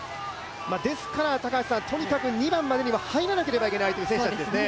ですから、とにかく２番までには入らなければいけないという選手たちですね。